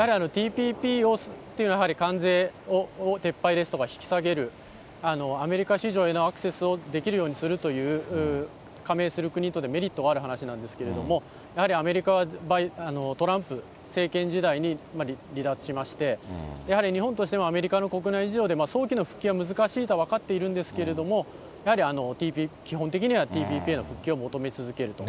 やはりＴＰＰというのは、関税を撤廃ですとか、引き下げる、アメリカ市場へのアクセスをできるようにするという、加盟する国とでメリットはある話なんですけれども、やはりアメリカはトランプ政権時代に離脱しまして、やはり日本としても、アメリカの国内事情で早期の復帰は難しいとは分かっているんですけれども、やはり基本的にはＴＰＰへの復帰を求め続けると。